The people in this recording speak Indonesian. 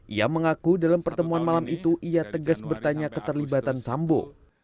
ia mengaku dalam pertemuan malam itu ia tegas bertanya keterlibatan sambo